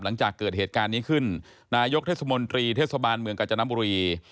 หลังจากเกิดเหตุการณ์นี้ขึ้นนายกเทศมนตรีเทศบาลเมืองกาญจนบุรี